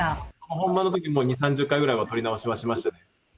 本番のときも、２、３０回ぐらいは撮り直しをしました。